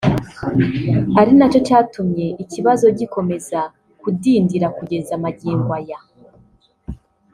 ari nacyo cyatumye ikibazo gikomeza kudindira kugeza magingo aya